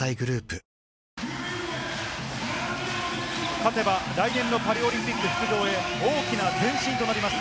勝てば来年のパリオリンピック出場へ大きな前進となります。